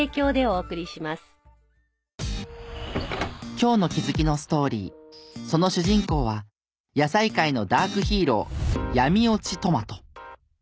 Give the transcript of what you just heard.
今日の気づきのストーリーその主人公は野菜界のダークヒーロー。